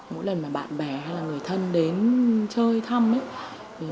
mỗi lần mà bạn bè hay là người thân đến chơi thăm ấy